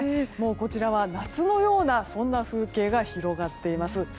こちらは夏のような風景が広がっています。